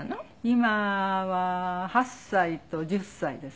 今は８歳と１０歳ですねもう。